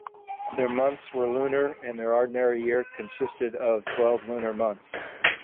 Their months were lunar, and their ordinary year consistted of twelve lunar months.